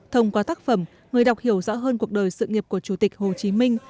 thông qua tác phẩm người đọc hiểu rõ hơn cuộc đời sự nghiệp của chủ tịch hồ chí minh